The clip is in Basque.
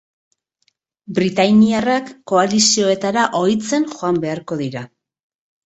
Britainiarrak koalizioetara ohitzen joan beharko dira.